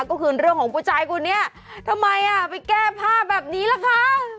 ก็คือเรื่องของผู้ชายคนนี้ทำไมอ่ะไปแก้ผ้าแบบนี้ล่ะคะ